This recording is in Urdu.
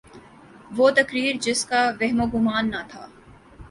وہ تقریر جس کا وہم و گماں نہ تھا۔